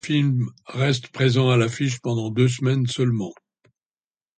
Le film reste présent à l'affiche pendant deux semaines seulement.